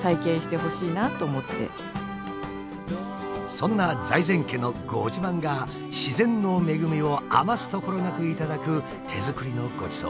そんな財前家のご自慢が自然の恵みを余すところなく頂く手作りのごちそう。